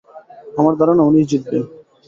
আমার ধারণা, উনিই জিতবেন।